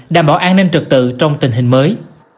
đảm bảo an ninh trật tự trong tình hình mới